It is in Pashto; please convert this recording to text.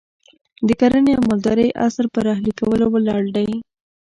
د کرنې او مالدارۍ عصر پر اهلي کولو ولاړ دی.